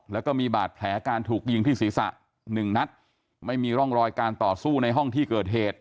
แล้วก็มีบาดแผลการถูกยิงที่ศีรษะหนึ่งนัดไม่มีร่องรอยการต่อสู้ในห้องที่เกิดเหตุ